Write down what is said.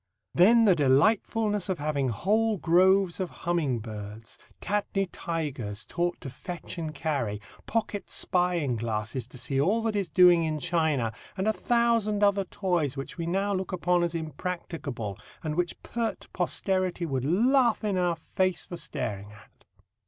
Then the delightfulness of having whole groves of humming birds, tatne tigers taught to fetch and carry, pocket spying glasses to see all that is doing in China, and a thousand other toys, which we now look upon as impracticable, and which pert posterity would laugh in our face for staring at.